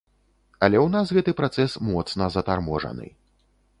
Але ў нас гэты працэс моцна затарможаны.